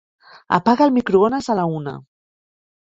Apaga el microones a la una.